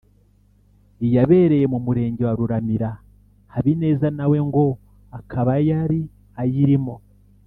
iyabereye mu murenge wa Ruramira Habineza na we ngo akaba yari ayirimo